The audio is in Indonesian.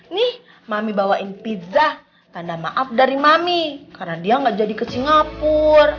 nih mami bawain pizza tanda maaf dari mami karena dia gak jadi ke singapura